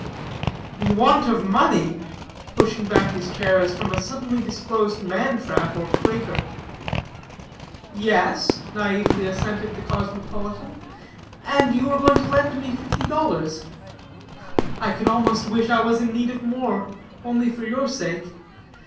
"In want of money!" pushing back his chair as from a suddenly disclosed man trap or crater. "Yes," naïvely assented the cosmopolitan, "and you are going to loan me fifty dollars. I could almost wish I was in need of more, only for your sake.